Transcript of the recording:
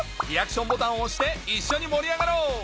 リアクションボタンを押して一緒に盛り上がろう！